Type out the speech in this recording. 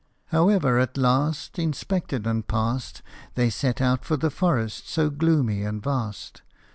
However, at last, inspected and passed, They set out 'for the forest so gloomy and vast.